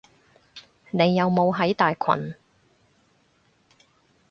你有冇喺大群？